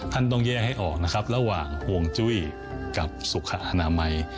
ต้องแย่ให้ออกนะครับระหว่างห่วงจุ้ยกับสุขอนามัย